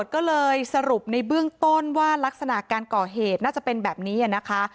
ก็เลยสรุปในเบื้องต้นว่ารักษณะการก่อเหตุน่าจะเป็นแบบนี้นะคะ